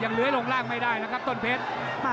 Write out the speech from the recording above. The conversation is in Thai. ยังเหลือลงล่างไม่ได้นะครับต้นเพชร